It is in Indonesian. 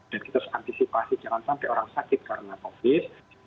dan kita harus antisipasi jangan sampai orang sakit karena covid